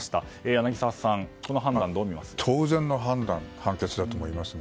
柳澤さん、この判断を当然の判断、判決だと思います。